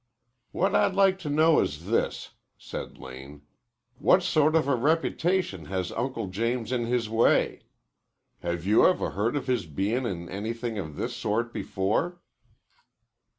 "What I'd like to know is this," said Lane. "What sort of a reputation has Uncle James in this way? Have you ever heard of his bein' in anything of this sort before?"